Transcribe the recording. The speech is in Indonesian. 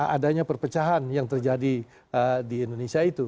adanya perpecahan yang terjadi di indonesia itu